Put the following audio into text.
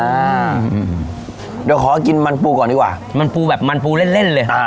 อ่าเดี๋ยวขอกินมันปูก่อนดีกว่ามันปูแบบมันปูเล่นเล่นเลยอ่า